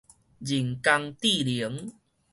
人工智能